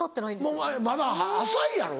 お前まだ浅いやろ？